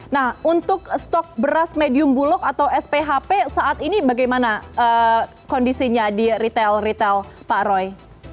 nah untuk stok beras medium bulog atau sphp saat ini bagaimana kondisinya di retail retail pak roy